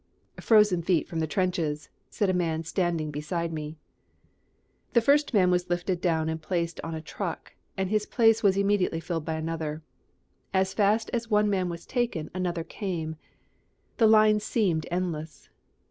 "Frozen feet from the trenches," said a man standing beside me. The first man was lifted down and placed on a truck, and his place was filled immediately by another. As fast as one man was taken another came. The line seemed endless.